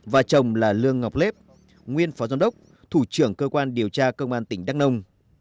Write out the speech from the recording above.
và chồng là lương ngọc lếp nguyên phó giám đốc thủ trưởng cơ quan điều tra công an tỉnh đắk nông